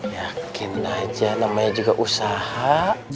yakin aja namanya juga usaha